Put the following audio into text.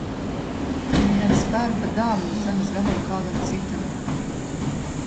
Viņi nevis pērk, bet dāvina zemes gabalu kādam citam.